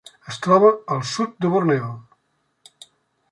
Es troba al sud de Borneo.